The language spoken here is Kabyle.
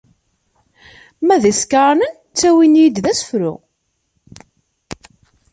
Ma d isekṛanen, ttawin-iyi-d d asefru.